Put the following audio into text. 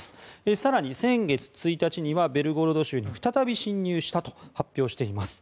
更に、先月１日にはベルゴロド州に再び侵入したと発表しています。